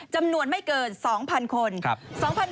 จำนวนไม่เกิน๒๐๐๐คน